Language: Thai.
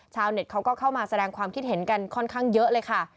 เน็ตเขาก็เข้ามาแสดงความคิดเห็นกันค่อนข้างเยอะเลยค่ะ